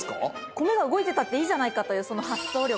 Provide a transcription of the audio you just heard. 米が動いてたっていいじゃないかというその発想力。